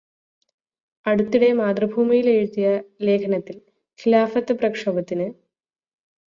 അടുത്തിടെ മാതൃഭൂമിയില് എഴുതിയ ലേഖനത്തില് ഖിലാഫത്ത് പ്രക്ഷോഭത്തിന്.